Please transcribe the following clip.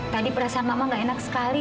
tadi perasaan mama gak enak sekali